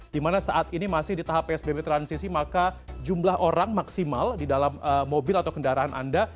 dimana saat ini masih di tahap psbb transisi maka jumlah orang maksimal di dalam mobil atau kendaraan anda